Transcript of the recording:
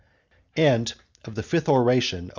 THE SIXTH ORATION OF M.